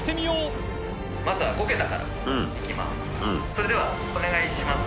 それではお願いします。